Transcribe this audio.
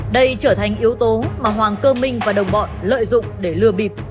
đây trở thành yếu tố mà hoàng cơ minh và đồng bọn lợi dụng để lừa bịp